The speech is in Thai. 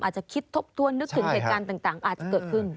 อาจจะคิดทบทวนนึกถึงเหตุการณ์ต่างอาจจะเกิดขึ้น